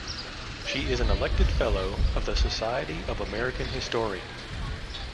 She is an elected Fellow of the Society of American Historians.